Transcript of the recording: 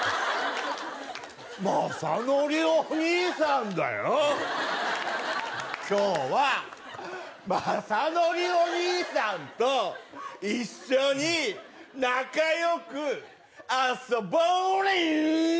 雅紀お兄さんだよ今日は雅紀お兄さんと一緒に仲よく遊ぼうね！